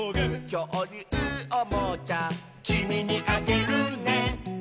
「きょうりゅうおもちゃ」「きみにあげるね」